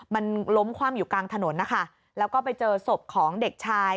มันล้มคว่ำอยู่กลางถนนนะคะแล้วก็ไปเจอศพของเด็กชาย